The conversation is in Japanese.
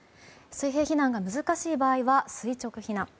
水平避難が難しい場合は垂直避難。